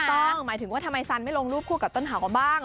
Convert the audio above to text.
หมายถึงว่าทำไมซันไม่ลงรูปคู่กับต้นหาเขาบ้าง